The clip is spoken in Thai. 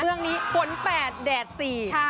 เมืองนี้ฝนแปดแดดสี่